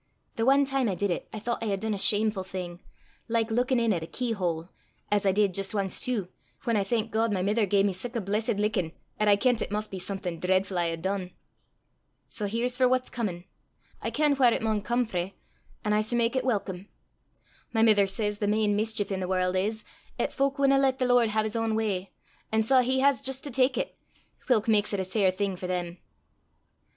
The ae time I did it, I thoucht I had dune a shamefu' thing, like luikin' in at a keyhole as I did jist ance tu, whan I thank God my mither gae me sic a blessed lickin' 'at I kent it maun be something dreidfu' I had dune. Sae here's for what's comin'! I ken whaur it maun come frae, an' I s' mak it welcome. My mither says the main mischeef i' the warl' is, 'at fowk winna lat the Lord hae his ain w'y, an' sae he has jist to tak it, whilk maks it a sair thing for them."